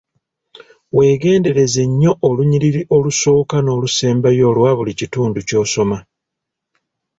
Weegendereze nnyo olunyiriri olusooka n'olusembayo olwa buli kitundu kyosoma.